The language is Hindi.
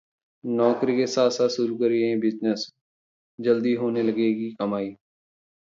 नौकरी के साथ-साथ शुरू करें ये बिजनेस, जल्द होने लगेगी कमाई